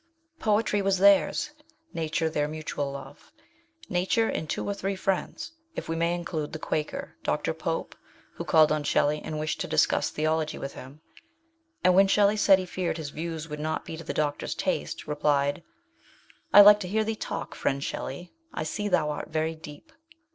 Poetry was theirs, Nature their mutual love : Nature and two or three friends, if we may include the Quaker, Dr. Pope, who called on Shelley and wished to discuss theology with him, and when Shelley said he feared his views would not be to the Doctor's taste replied " I like to hear thee talk, friend Shelley. I see thou art very deep."